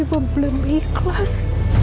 ibu belum ikhlas